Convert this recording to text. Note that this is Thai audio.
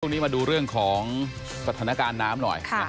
มาดูเรื่องของสถานการณ์น้ำหน่อย